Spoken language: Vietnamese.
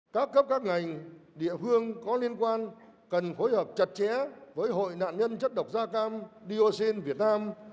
các cấp các ngành địa phương có liên quan cần phối hợp chặt chẽ với hội nạn nhân chất độc da cam diocin việt nam